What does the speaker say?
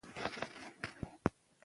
افغانستان د ژبې لپاره مشهور دی.